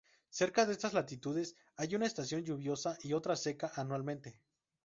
Cerca de estas latitudes, hay una estación lluviosa y otra seca, anualmente.